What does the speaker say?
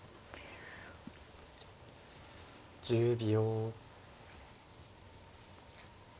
１０秒。